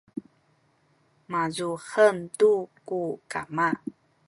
mazuhem tu ku kama